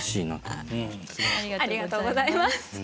ありがとうございます。